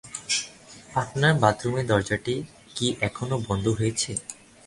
আপনার বাথরুমের দরজা কি কখনো বন্ধ হয়েছে?